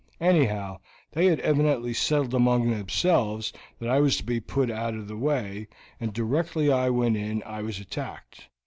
Anyhow, they had evidently settled among themselves that I was to be put out of the way, and directly I went in I was attacked.